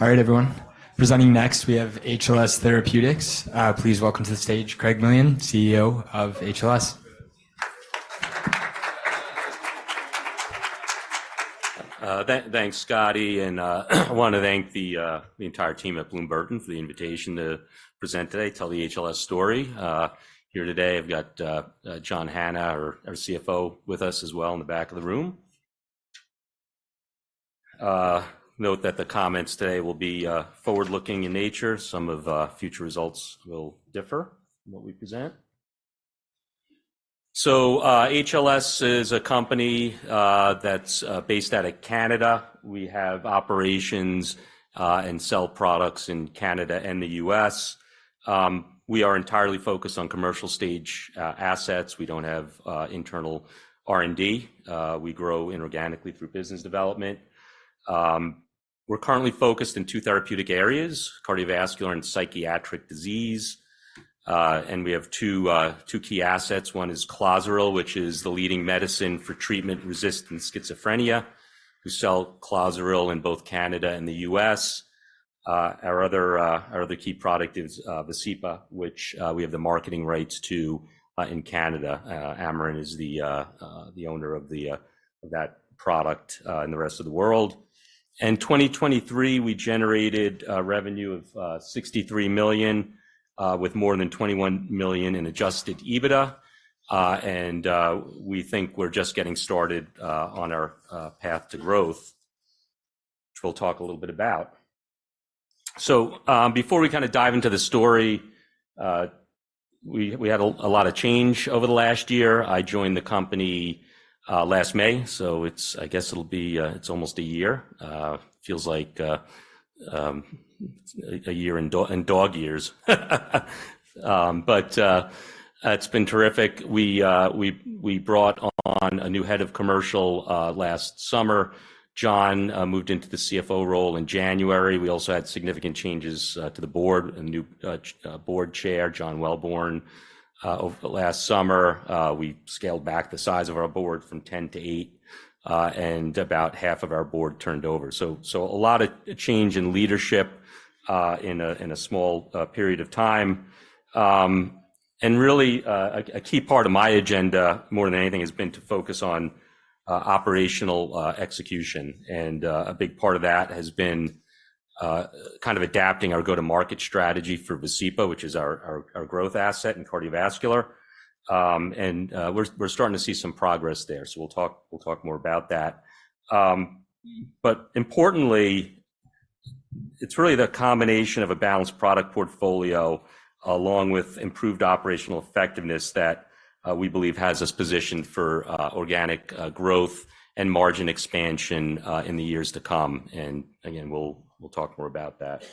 All right, everyone. Presenting next, we have HLS Therapeutics. Please welcome to the stage Craig Millian, CEO of HLS. Thanks, Scotty. I want to thank the entire team at Bloom Burton for the invitation to present today, tell the HLS story. Here today, I've got John Hanna, our CFO, with us as well in the back of the room. Note that the comments today will be forward-looking in nature. Some of future results will differ from what we present. HLS is a company that's based out of Canada. We have operations and sell products in Canada and the U.S. We are entirely focused on commercial stage assets. We don't have internal R&D. We grow inorganically through business development. We're currently focused in two therapeutic areas, cardiovascular and psychiatric disease. We have two key assets. One is Clozaril, which is the leading medicine for treatment-resistant schizophrenia. We sell Clozaril in both Canada and the U.S. Our other key product is Vascepa, which we have the marketing rights to in Canada. Amarin is the owner of that product in the rest of the world. In 2023, we generated revenue of $63 million, with more than $21 million in adjusted EBITDA. We think we're just getting started on our path to growth, which we'll talk a little bit about. Before we kind of dive into the story, we had a lot of change over the last year. I joined the company last May, so I guess it'll be almost a year. Feels like a year in dog years. It's been terrific. We brought on a new head of commercial last summer. John moved into the CFO role in January. We also had significant changes to the board, a new board chair, John Welborn, last summer. We scaled back the size of our board from 10 to eight, and about half of our board turned over. A lot of change in leadership in a small period of time. Really, a key part of my agenda, more than anything, has been to focus on operational execution. A big part of that has been kind of adapting our go-to-market strategy for Vascepa, which is our growth asset in cardiovascular. We're starting to see some progress there. We'll talk more about that. But importantly, it's really the combination of a balanced product portfolio along with improved operational effectiveness that we believe has us positioned for organic growth and margin expansion in the years to come. Again, we'll talk more about that.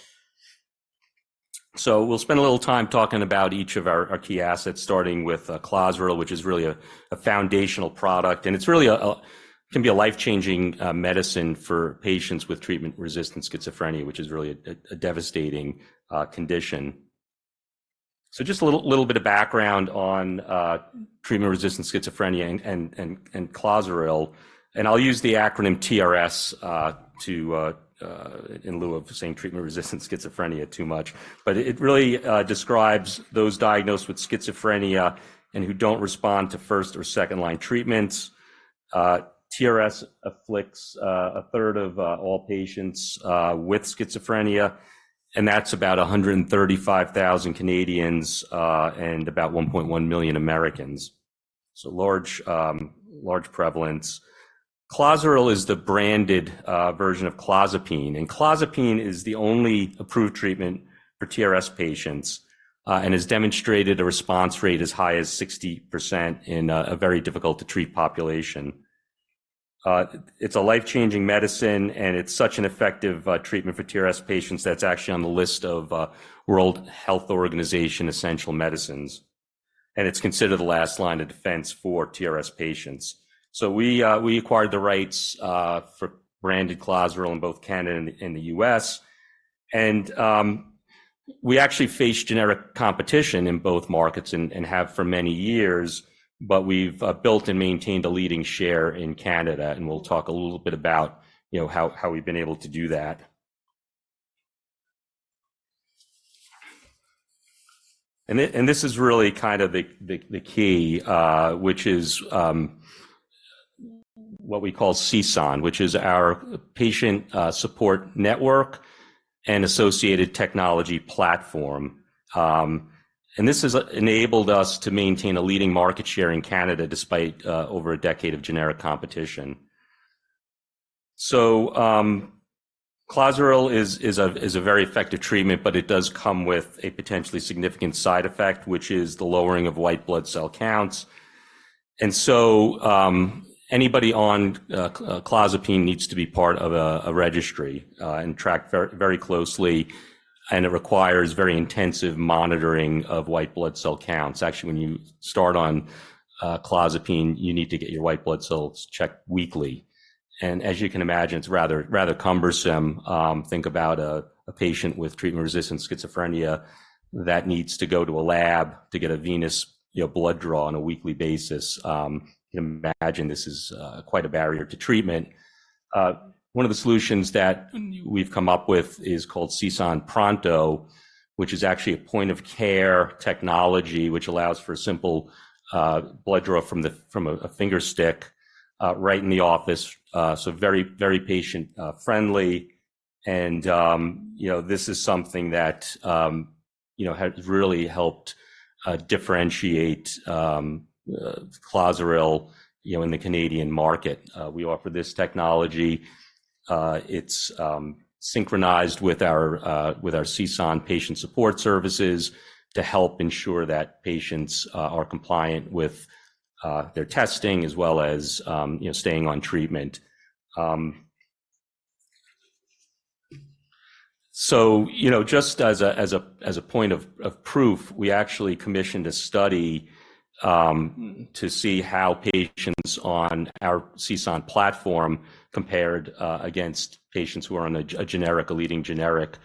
We'll spend a little time talking about each of our key assets, starting with Clozaril, which is really a foundational product. It can be a life-changing medicine for patients with treatment-resistant schizophrenia, which is really a devastating condition. Just a little bit of background on treatment-resistant schizophrenia and Clozaril. I'll use the acronym TRS in lieu of saying treatment-resistant schizophrenia too much. It really describes those diagnosed with schizophrenia and who don't respond to first or second-line treatments. TRS afflicts 1/3 of all patients with schizophrenia. That's about 135,000 Canadians and about 1.1 million Americans. Large prevalence. Clozaril is the branded version of clozapine. Clozapine is the only approved treatment for TRS patients and has demonstrated a response rate as high as 60% in a very difficult-to-treat population. It's a life-changing medicine, and it's such an effective treatment for TRS patients that's actually on the list of World Health Organization essential medicines. It's considered the last line of defense for TRS patients. So we acquired the rights for branded Clozaril in both Canada and the U.S. And we actually face generic competition in both markets and have for many years. But we've built and maintained a leading share in Canada. And we'll talk a little bit about how we've been able to do that. And this is really kind of the key, which is what we call CSAN, which is our patient support network and associated technology platform. And this has enabled us to maintain a leading market share in Canada despite over a decade of generic competition. So Clozaril is a very effective treatment, but it does come with a potentially significant side effect, which is the lowering of white blood cell counts. And so anybody on clozapine needs to be part of a registry and tracked very closely. And it requires very intensive monitoring of white blood cell counts. Actually, when you start on clozapine, you need to get your white blood cells checked weekly. As you can imagine, it's rather cumbersome. Think about a patient with treatment-resistant schizophrenia that needs to go to a lab to get a venous blood draw on a weekly basis. Imagine this is quite a barrier to treatment. One of the solutions that we've come up with is called CSAN Pronto, which is actually a point-of-care technology which allows for a simple blood draw from a fingerstick right in the office. So very, very patient-friendly. This is something that has really helped differentiate Clozaril in the Canadian market. We offer this technology. It's synchronized with our CSAN patient support services to help ensure that patients are compliant with their testing as well as staying on treatment. So just as a point of proof, we actually commissioned a study to see how patients on our CSAN platform compared against patients who are on a leading generic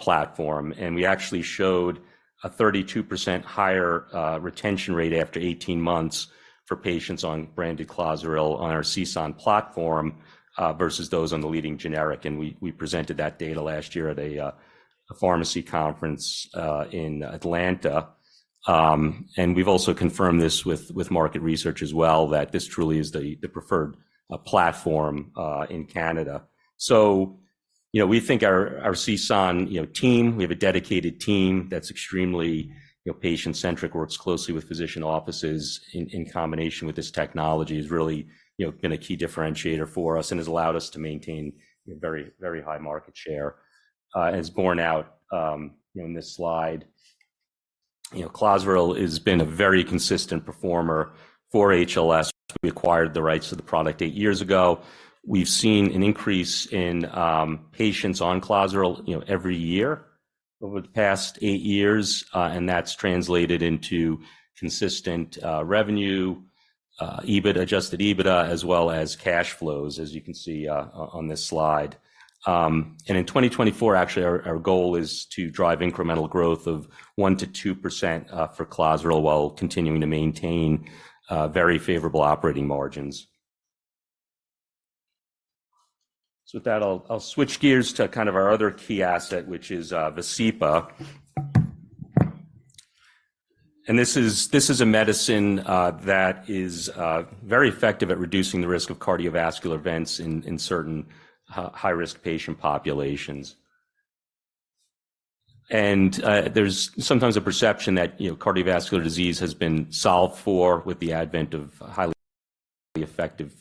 platform. And we actually showed a 32% higher retention rate after 18 months for patients on branded Clozaril on our CSAN platform versus those on the leading generic. And we presented that data last year at a pharmacy conference in Atlanta. And we've also confirmed this with market research as well, that this truly is the preferred platform in Canada. So we think our CSAN team we have a dedicated team that's extremely patient-centric, works closely with physician offices in combination with this technology has really been a key differentiator for us and has allowed us to maintain very, very high market share. As borne out in this slide, Clozaril has been a very consistent performer for HLS. We acquired the rights to the product eight years ago. We've seen an increase in patients on Clozaril every year over the past eight years. And that's translated into consistent revenue, Adjusted EBITDA, as well as cash flows, as you can see on this slide. And in 2024, actually, our goal is to drive incremental growth of 1%-2% for Clozaril while continuing to maintain very favorable operating margins. So with that, I'll switch gears to kind of our other key asset, which is Vascepa. And this is a medicine that is very effective at reducing the risk of cardiovascular events in certain high-risk patient populations. And there's sometimes a perception that cardiovascular disease has been solved for with the advent of highly effective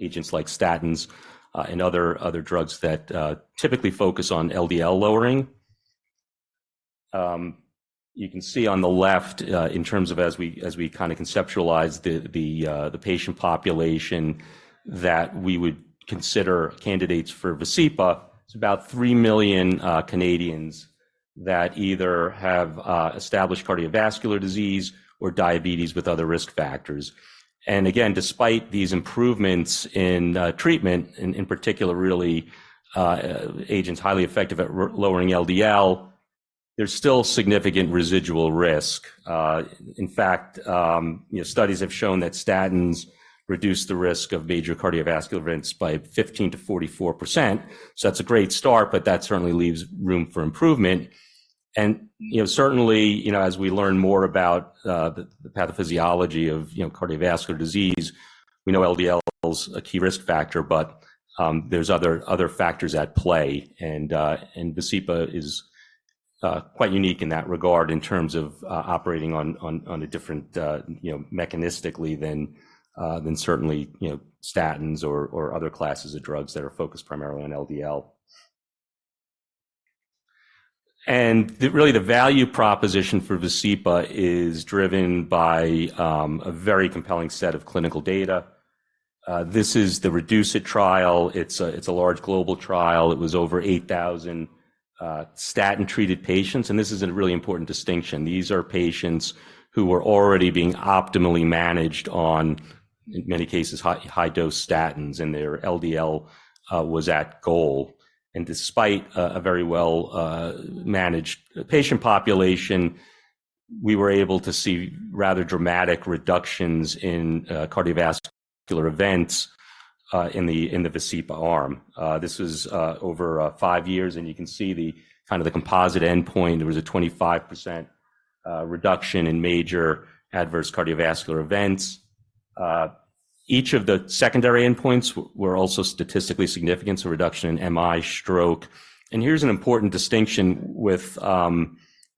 agents like statins and other drugs that typically focus on LDL lowering. You can see on the left, in terms of as we kind of conceptualize the patient population, that we would consider candidates for Vascepa, it's about 3 million Canadians that either have established cardiovascular disease or diabetes with other risk factors. And again, despite these improvements in treatment, in particular, really agents highly effective at lowering LDL, there's still significant residual risk. In fact, studies have shown that statins reduce the risk of major cardiovascular events by 15%-44%. So that's a great start, but that certainly leaves room for improvement. And certainly, as we learn more about the pathophysiology of cardiovascular disease, we know LDL is a key risk factor, but there's other factors at play. And Vascepa is quite unique in that regard in terms of operating on a different mechanistically than certainly statins or other classes of drugs that are focused primarily on LDL. Really, the value proposition for Vascepa is driven by a very compelling set of clinical data. This is the REDUCE-IT trial. It's a large global trial. It was over 8,000 statin-treated patients. And this is a really important distinction. These are patients who were already being optimally managed on, in many cases, high-dose statins, and their LDL was at goal. And despite a very well-managed patient population, we were able to see rather dramatic reductions in cardiovascular events in the Vascepa arm. This was over five years. And you can see kind of the composite endpoint. There was a 25% reduction in major adverse cardiovascular events. Each of the secondary endpoints were also statistically significant, so reduction in MI, stroke. And here's an important distinction with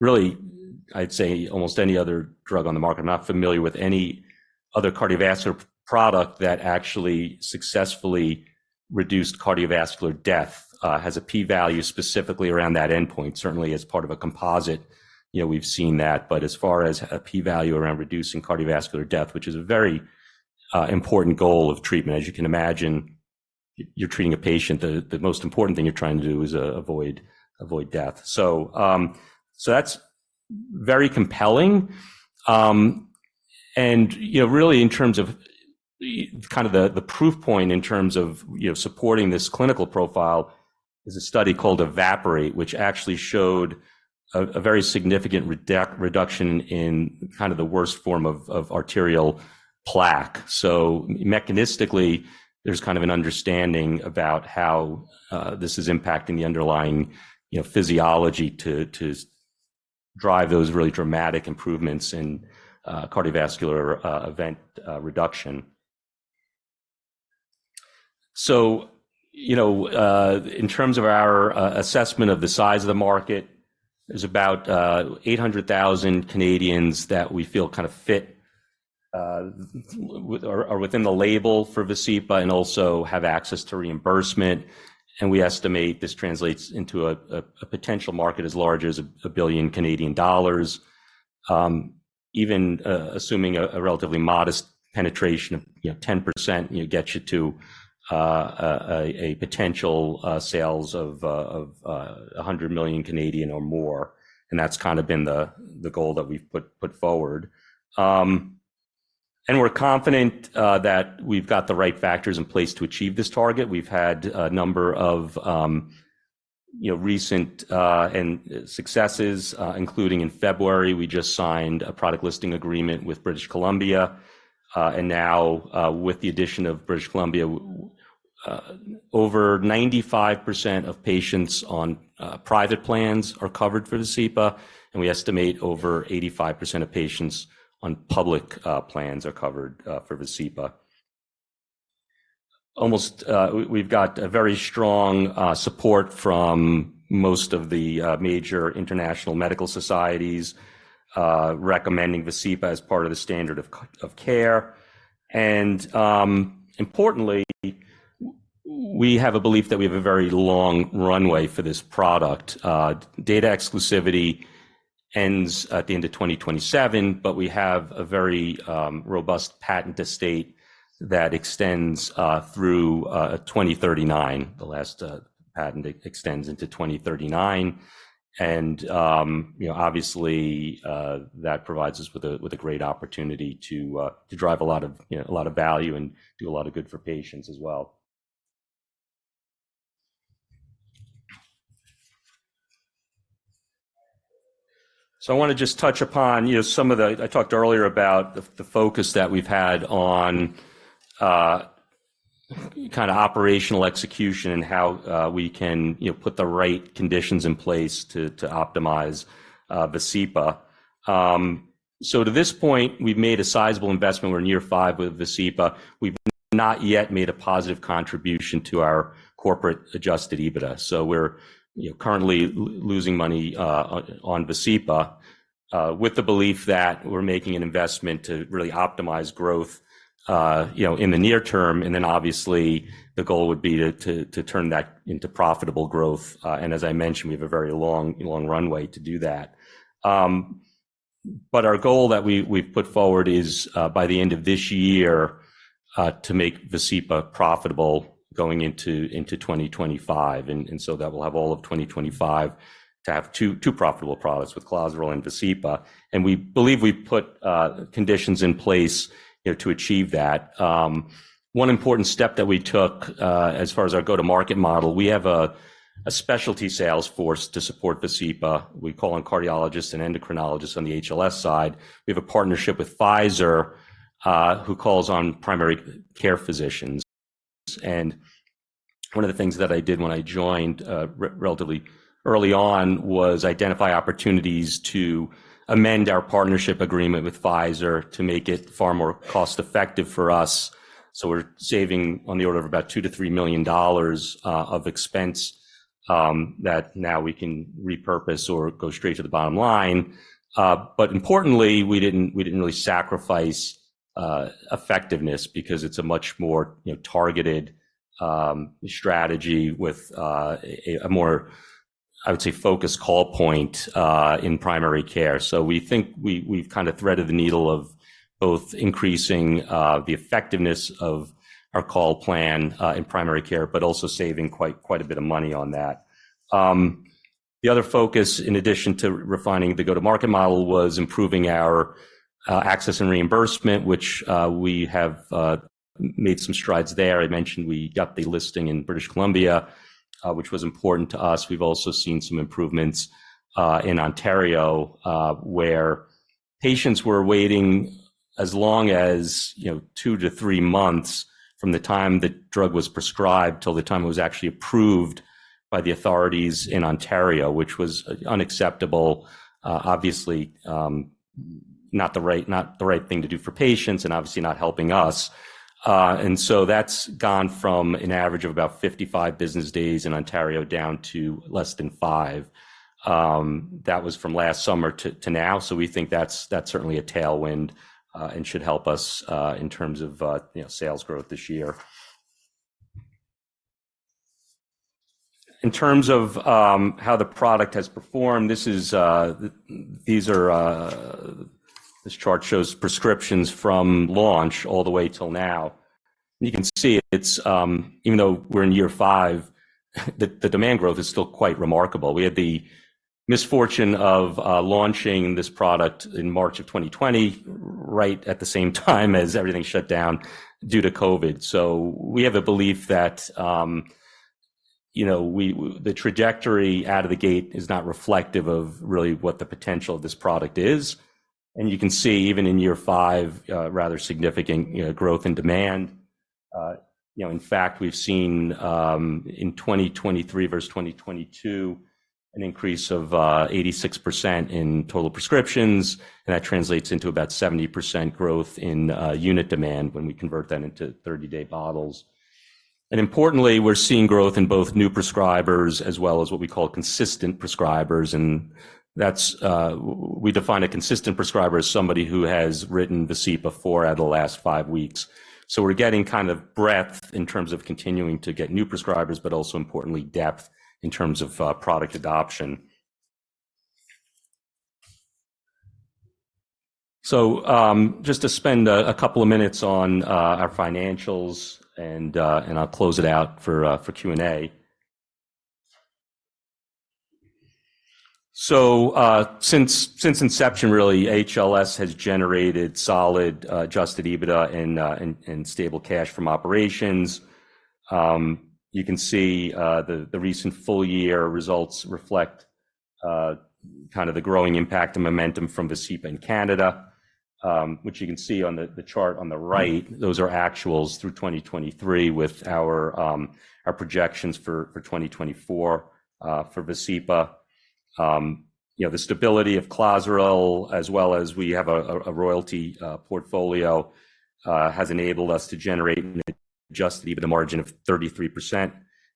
really, I'd say, almost any other drug on the market. I'm not familiar with any other cardiovascular product that actually successfully reduced cardiovascular death. It has a p-value specifically around that endpoint. Certainly, as part of a composite, we've seen that. But as far as a p-value around reducing cardiovascular death, which is a very important goal of treatment, as you can imagine, you're treating a patient. The most important thing you're trying to do is avoid death. So that's very compelling. And really, in terms of kind of the proof point in terms of supporting this clinical profile is a study called EVAPORATE, which actually showed a very significant reduction in kind of the worst form of arterial plaque. So mechanistically, there's kind of an understanding about how this is impacting the underlying physiology to drive those really dramatic improvements in cardiovascular event reduction. So in terms of our assessment of the size of the market, there's about 800,000 Canadians that we feel kind of fit or within the label for Vascepa and also have access to reimbursement. We estimate this translates into a potential market as large as 1 billion Canadian dollars. Even assuming a relatively modest penetration of 10% gets you to a potential sales of 100 million or more. That's kind of been the goal that we've put forward. We're confident that we've got the right factors in place to achieve this target. We've had a number of recent successes, including in February, we just signed a product listing agreement with British Columbia. Now, with the addition of British Columbia, over 95% of patients on private plans are covered for Vascepa. We estimate over 85% of patients on public plans are covered for Vascepa. We've got very strong support from most of the major international medical societies recommending Vascepa as part of the standard of care. And importantly, we have a belief that we have a very long runway for this product. Data exclusivity ends at the end of 2027, but we have a very robust patent estate that extends through 2039. The last patent extends into 2039. And obviously, that provides us with a great opportunity to drive a lot of value and do a lot of good for patients as well. So I want to just touch upon some of the I talked earlier about the focus that we've had on kind of operational execution and how we can put the right conditions in place to optimize Vascepa. So to this point, we've made a sizable investment. We're near five with Vascepa. We've not yet made a positive contribution to our corporate Adjusted EBITDA. So we're currently losing money on Vascepa with the belief that we're making an investment to really optimize growth in the near term. And then obviously, the goal would be to turn that into profitable growth. And as I mentioned, we have a very long runway to do that. But our goal that we've put forward is, by the end of this year, to make Vascepa profitable going into 2025. And so that will have all of 2025 to have two profitable products with Clozaril and Vascepa. And we believe we put conditions in place to achieve that. One important step that we took as far as our go-to-market model, we have a specialty sales force to support Vascepa. We call on cardiologists and endocrinologists on the HLS side. We have a partnership with Pfizer who calls on primary care physicians. One of the things that I did when I joined relatively early on was identify opportunities to amend our partnership agreement with Pfizer to make it far more cost-effective for us. We're saving on the order of about $2 million-$3 million of expense that now we can repurpose or go straight to the bottom line. Importantly, we didn't really sacrifice effectiveness because it's a much more targeted strategy with a more, I would say, focused call point in primary care. We think we've kind of threaded the needle of both increasing the effectiveness of our call plan in primary care, but also saving quite a bit of money on that. The other focus, in addition to refining the go-to-market model, was improving our access and reimbursement, which we have made some strides there. I mentioned we got the listing in British Columbia, which was important to us. We've also seen some improvements in Ontario, where patients were waiting as long as two-three months from the time the drug was prescribed till the time it was actually approved by the authorities in Ontario, which was unacceptable, obviously not the right thing to do for patients and obviously not helping us. And so that's gone from an average of about 55 business days in Ontario down to less than five. That was from last summer to now. So we think that's certainly a tailwind and should help us in terms of sales growth this year. In terms of how the product has performed, this chart shows prescriptions from launch all the way till now. You can see it's, even though we're in year five, the demand growth is still quite remarkable. We had the misfortune of launching this product in March 2020 right at the same time as everything shut down due to COVID. So we have a belief that the trajectory out of the gate is not reflective of really what the potential of this product is. You can see even in year five, rather significant growth in demand. In fact, we've seen in 2023 versus 2022, an increase of 86% in total prescriptions. And that translates into about 70% growth in unit demand when we convert that into 30-day bottles. Importantly, we're seeing growth in both new prescribers as well as what we call consistent prescribers. We define a consistent prescriber as somebody who has written Vascepa for out of the last five weeks. We're getting kind of breadth in terms of continuing to get new prescribers, but also importantly, depth in terms of product adoption. Just to spend a couple of minutes on our financials, and I'll close it out for Q&A. Since inception, really, HLS has generated solid Adjusted EBITDA and stable cash from operations. You can see the recent full-year results reflect kind of the growing impact and momentum from Vascepa in Canada, which you can see on the chart on the right. Those are actuals through 2023 with our projections for 2024 for Vascepa. The stability of Clozaril, as well as we have a royalty portfolio, has enabled us to generate an Adjusted EBITDA margin of 33%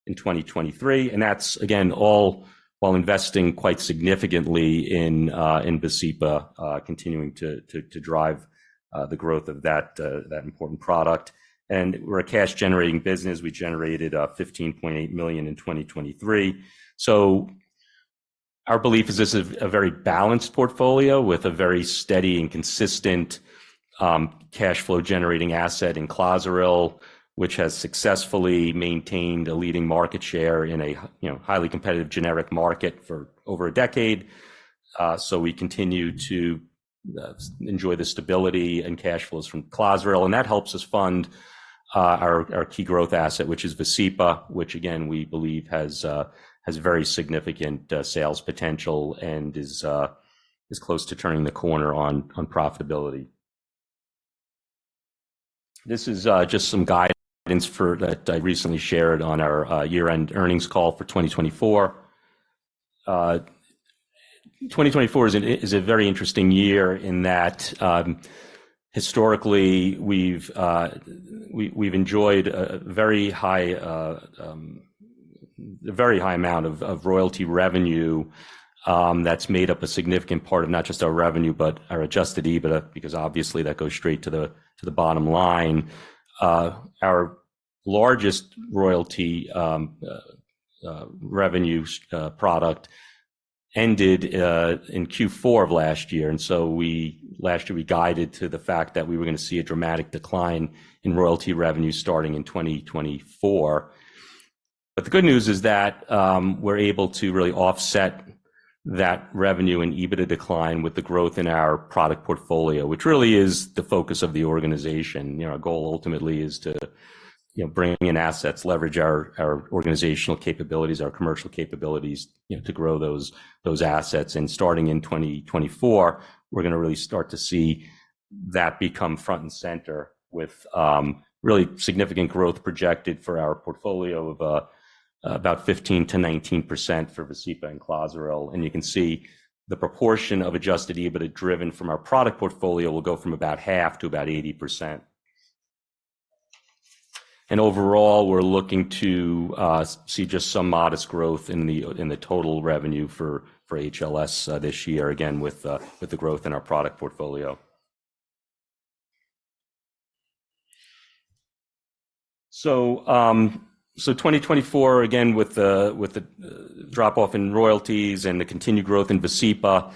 in 2023. And that's, again, all while investing quite significantly in Vascepa, continuing to drive the growth of that important product. And we're a cash-generating business. We generated $15.8 million in 2023. So our belief is this is a very balanced portfolio with a very steady and consistent cash flow-generating asset in Clozaril, which has successfully maintained a leading market share in a highly competitive generic market for over a decade. So we continue to enjoy the stability and cash flows from Clozaril. And that helps us fund our key growth asset, which is Vascepa, which, again, we believe has very significant sales potential and is close to turning the corner on profitability. This is just some guidance that I recently shared on our year-end earnings call for 2024. 2024 is a very interesting year in that, historically, we've enjoyed a very high amount of royalty revenue that's made up a significant part of not just our revenue, but our Adjusted EBITDA because, obviously, that goes straight to the bottom line. Our largest royalty revenue product ended in Q4 of last year. And so last year, we guided to the fact that we were going to see a dramatic decline in royalty revenue starting in 2024. But the good news is that we're able to really offset that revenue and EBITDA decline with the growth in our product portfolio, which really is the focus of the organization. Our goal, ultimately, is to bring in assets, leverage our organizational capabilities, our commercial capabilities to grow those assets. Starting in 2024, we're going to really start to see that become front and center with really significant growth projected for our portfolio of about 15%-19% for Vascepa and Clozaril. You can see the proportion of adjusted EBITDA driven from our product portfolio will go from about half to about 80%. Overall, we're looking to see just some modest growth in the total revenue for HLS this year, again, with the growth in our product portfolio. So 2024, again, with the drop-off in royalties and the continued growth in Vascepa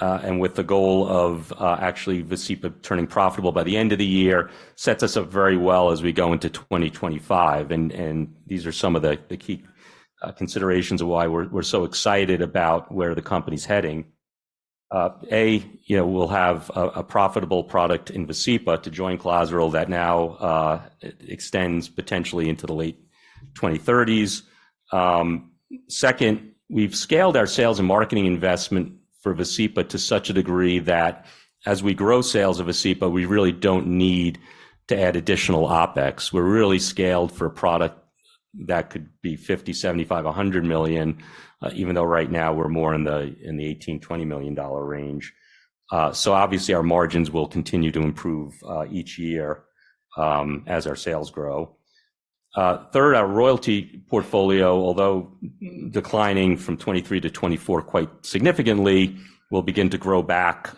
and with the goal of actually Vascepa turning profitable by the end of the year, sets us up very well as we go into 2025. These are some of the key considerations of why we're so excited about where the company's heading. We'll have a profitable product in Vascepa to join Clozaril that now extends potentially into the late 2030s. Second, we've scaled our sales and marketing investment for Vascepa to such a degree that, as we grow sales of Vascepa, we really don't need to add additional OpEx. We're really scaled for a product that could be $50 million, $75 million, $100 million, even though right now we're more in the $18 million-$20 million range. So obviously, our margins will continue to improve each year as our sales grow. Third, our royalty portfolio, although declining from 2023 to 2024 quite significantly, will begin to grow back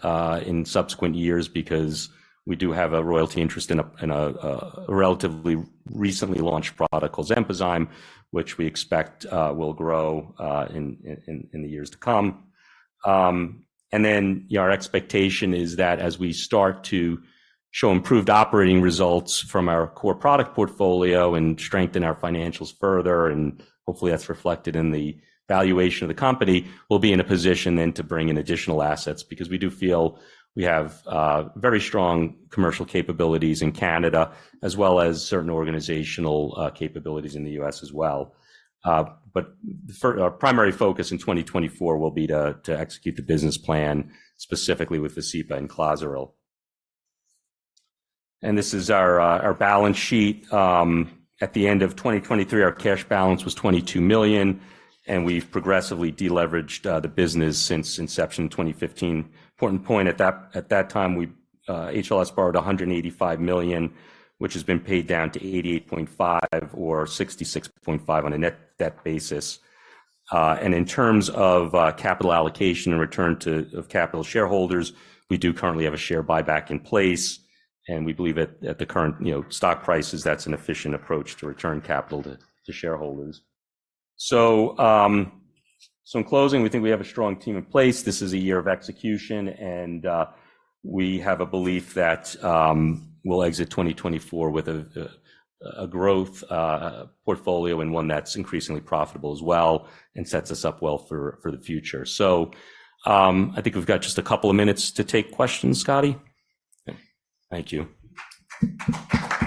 in subsequent years because we do have a royalty interest in a relatively recently launched product called Xenpozyme, which we expect will grow in the years to come. Then our expectation is that, as we start to show improved operating results from our core product portfolio and strengthen our financials further, and hopefully, that's reflected in the valuation of the company, we'll be in a position then to bring in additional assets because we do feel we have very strong commercial capabilities in Canada as well as certain organizational capabilities in the U.S. as well. But our primary focus in 2024 will be to execute the business plan specifically with Vascepa and Clozaril. This is our balance sheet. At the end of 2023, our cash balance was $22 million. We've progressively deleveraged the business since inception in 2015. Important point, at that time, HLS borrowed $185 million, which has been paid down to $88.5 million or $66.5 million on a net debt basis. In terms of capital allocation and return of capital to shareholders, we do currently have a share buyback in place. We believe that, at the current stock prices, that's an efficient approach to return capital to shareholders. In closing, we think we have a strong team in place. This is a year of execution. We have a belief that we'll exit 2024 with a growth portfolio and one that's increasingly profitable as well and sets us up well for the future. I think we've got just a couple of minutes to take questions, Scotty. Thank you.